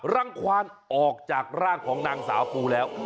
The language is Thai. รังควานออกจากร่างของนางสาวปูแล้ว